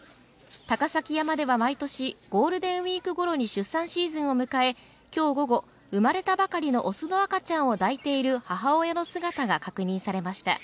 高崎山では毎年、ゴールデンウイークごろに出産シーズンを迎え、今日午後、生まれたばかりの雄の赤ちゃんを抱いている母親の姿が確認されました。